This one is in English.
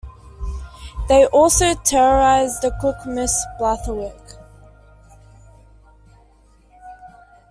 They also terrorize the cook, Mrs. Blatherwick.